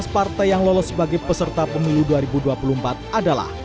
tujuh belas partai yang lolos sebagai peserta pemilu dua ribu dua puluh empat adalah